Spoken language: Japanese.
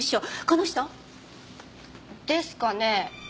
この人？ですかねえ。